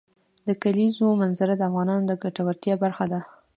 د کلیزو منظره د افغانانو د ګټورتیا برخه ده.